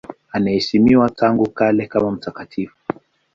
Anaheshimiwa tangu kale kama mtakatifu.